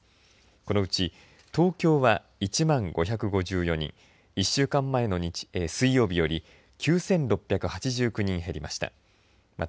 このうち東京は１万５５４人１週間前の水曜日より９６８９人減りました。